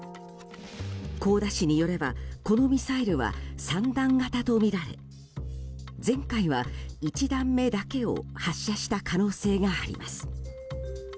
香田氏によれば、このミサイルは３段型とみられ前回は１段目だけを発射した可能性があります。